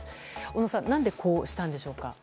小野さん何でこうしたんでしょうか。